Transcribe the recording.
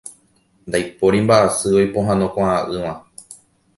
Ndaipóri mbaʼasy oipohãnokuaaʼỹva.